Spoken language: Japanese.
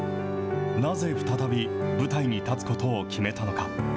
なぜ再び、舞台に立つことを決めたのか。